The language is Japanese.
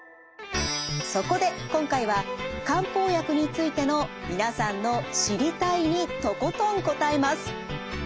そこで今回は漢方薬についての皆さんの「知りたい！」にとことん答えます。